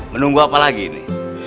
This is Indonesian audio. menunggu apa lagi ini